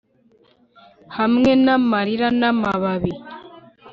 Hamwe namarira namababi